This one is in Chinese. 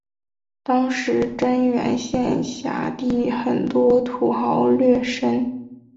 当时真源县辖地很多土豪劣绅。